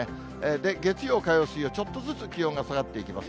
で、月曜、火曜、水曜、ちょっとずつ気温が下がっていきます。